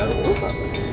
tuh memang benar ulfa